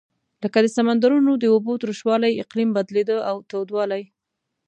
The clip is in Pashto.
لکه د سمندرونو د اوبو تروش والۍ اقلیم بدلېده او تودوالی.